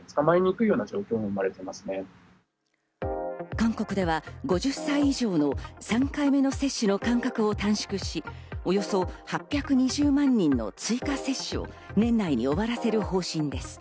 韓国では５０歳以上の３回目の接種の間隔を短縮し、およそ８２０万人の追加接種を年内に終わらせる方針です。